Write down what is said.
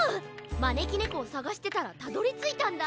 まねきねこをさがしてたらたどりついたんだ。